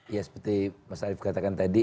ya seperti mas arief katakan tadi